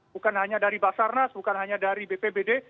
bukan hanya dari basarnas bukan hanya dari bpbd